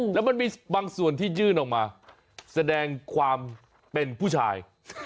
แล้วมันมีบางส่วนที่ยื่นออกมาแสดงความเป็นผู้ชาย